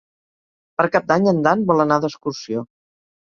Per Cap d'Any en Dan vol anar d'excursió.